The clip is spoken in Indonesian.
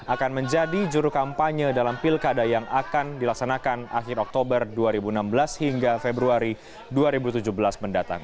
akan menjadi juru kampanye dalam pilkada yang akan dilaksanakan akhir oktober dua ribu enam belas hingga februari dua ribu tujuh belas mendatang